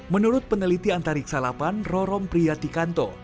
menurut peneliti antariksalapan rorom priyatikanto